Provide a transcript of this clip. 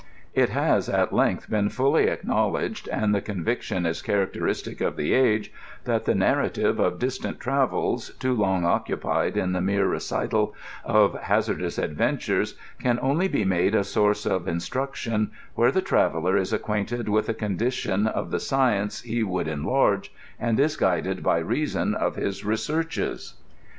• It has at length been fully acknowledg ed, and the ccmviction is characteristic of the age, that the narratives of distant travels, too long occupied in the mere recital oi hazardous adventures, ean only be made a source of instruction where the travder is acquainted with the condi tion of the science he wottld enlarge, and is guided by reason in his researches.